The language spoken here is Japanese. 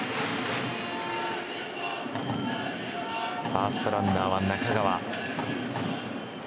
ファーストランナーは中川。